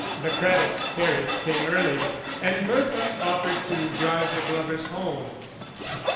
The Craddock's carriage came early, and Bertha offered to drive the Glovers home.